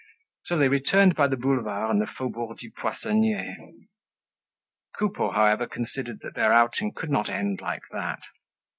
So they returned by the Boulevards and the Faubourg du Poissonniers. Coupeau, however, considered that their outing could not end like that.